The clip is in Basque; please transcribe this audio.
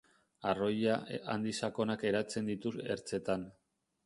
Arroila handi sakonak eratzen ditu ertzetan.